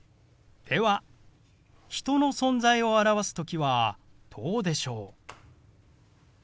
では人の存在を表す時はどうでしょう？